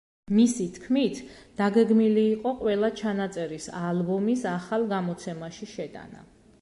მისი თქმით, დაგეგმილი იყო ყველა ჩანაწერის ალბომის ახალ გამოცემაში შეტანა.